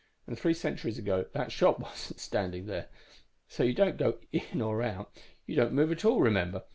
And three centuries ago that shop wasn't standing there. So you don't go in or out; you don't move at all, remember?